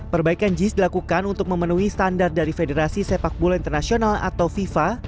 perbaikan jis dilakukan untuk memenuhi standar dari federasi sepak bola internasional atau fifa